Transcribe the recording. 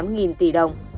nghìn tỷ đồng